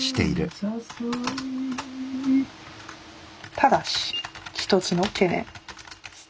ただし１つの懸念。